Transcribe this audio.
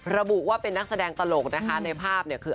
ระบุว่าเป็นนักแสดงตลกนะคะในภาพเนี่ยคือ